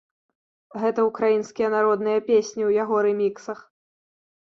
Гэта ўкраінскія народныя песні ў яго рэміксах.